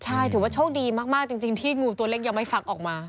ใช่ถือว่าโชคดีมากจริงที่งูตัวเล็กยังไม่ฟักออกมา